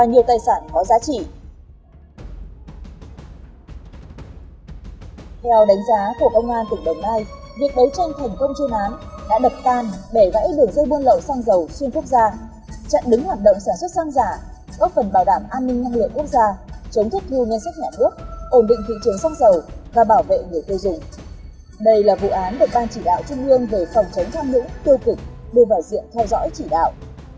đây là vụ án được ban chỉ đạo trung ương về phòng chống tham nhũng kêu kịch đưa vào diện theo dõi chỉ đạo